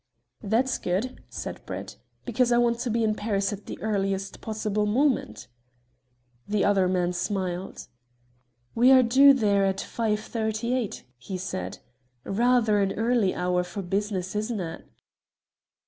"That's good," said Brett, "because I want to be in Paris at the earliest possible moment." The other man smiled. "We are due there at 5.38," he said. "Rather an early hour for business, isn't it?"